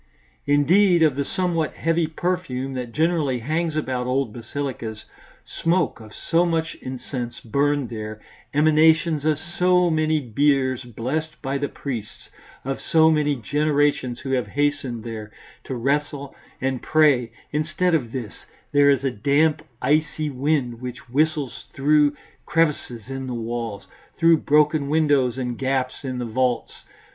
Instead of the somewhat heavy perfume that generally hangs about old basilicas, smoke of so much incense burned there, emanations of so many biers blessed by the priests, of so many generations who have hastened there to wrestle and pray instead of this, there is a damp, icy wind which whistles through crevices in the walls, through broken windows and gaps in the vaults.